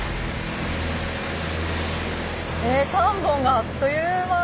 え３本があっという間。